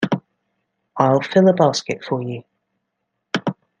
I’ll fill a basket for you.